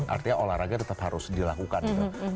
artinya olahraga tetap harus dilakukan gitu